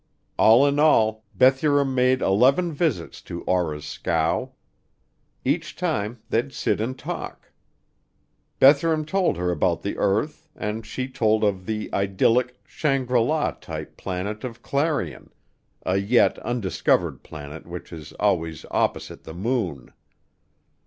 All in all, Bethurum made eleven visits to Aura's scow. Each time they'd sit and talk. Bethurum told her about the earth and she told of the idyllic, Shangri La type planet of Clarion a yet undiscovered planet which is always opposite the moon.